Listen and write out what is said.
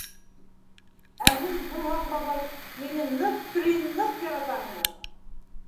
Ә һин, һыуһаҡ бабай, мине ныҡ-преныҡ яратаңмы?